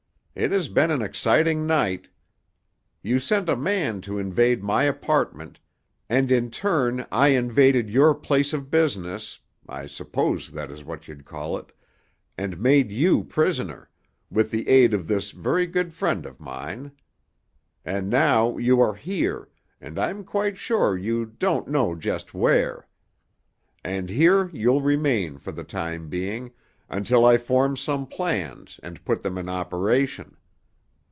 "It has been an exciting night. You sent a man to invade my apartment, and in turn I invaded your place of business—I suppose that is what you'd call it—and made you prisoner, with the aid of this very good friend of mine. And now you are here—and I'm quite sure you don't know just where. And here you'll remain for the time being, until I form some plans and put them in operation.